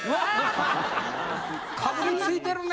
かぶりついてるね。